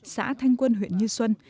xã thanh quân huyện như xuân